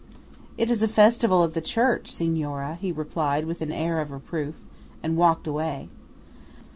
"It is a festival of the Church, Signora," he replied with an air of reproof, and walked away.